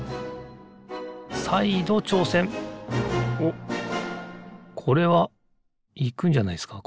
おっこれはいくんじゃないですか